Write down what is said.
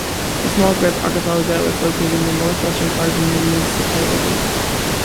The small Grip archipelago is located in the northwestern part of the municipality.